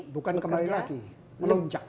bukan kembali lagi melonjak